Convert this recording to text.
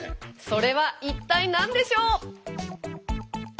それは一体何でしょう？